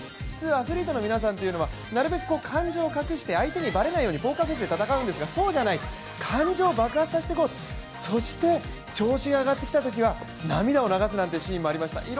普通アスリートの皆さんはなるべく感情を隠して相手にばれないようにポーカーフェイスで戦うんだけど、そうじゃない、感情を爆発させていこうそして、調子が上がってきたときは涙を流すなんていうシーンもありました。